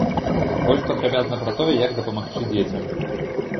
Больш падрабязна пра тое, як дапамагчы дзецям.